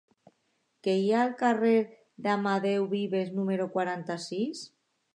Què hi ha al carrer d'Amadeu Vives número quaranta-sis?